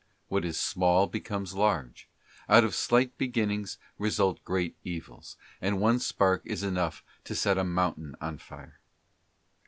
What is small becomes large, out of slight beginnings result great evils, and one spark is enough to set a mountain on fire.